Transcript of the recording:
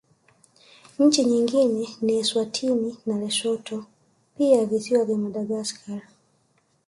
Nchi nyingine ni Eswatini na Lesotho pia Visiwa vya Madagaskar